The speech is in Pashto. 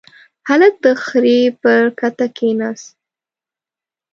هلک د خرې پر کته کېناست.